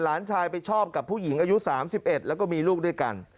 หลานชายไปชอบกับผู้หญิงอายุ๓๑แล้วก็มีลูกด้วยกัน